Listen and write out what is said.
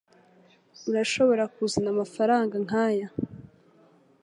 Urashobora kuzana amafaranga nkaya?